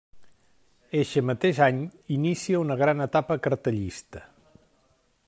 Eixe mateix any inicia una gran etapa cartellista.